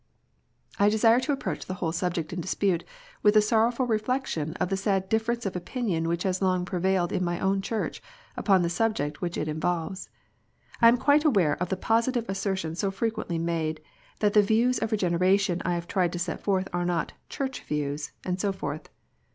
I desire to approach the whole subject in dispute with a sorrowful recollection of the sad difference of opinion which has long prevailed in my own Church upon the subject which it involves. I am quite aware of the positive assertions so fre quently made, that the views of Regeneration I have tried to set forth are not " Church views," and so forth.